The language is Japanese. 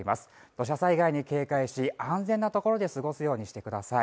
土砂災害に警戒し、安全なところで過ごすようにしてください。